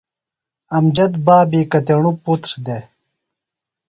امجد بابی کتیݨوۡ پُتر دےۡ؟